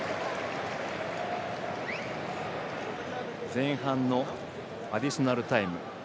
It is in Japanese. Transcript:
前半のアディショナルタイム。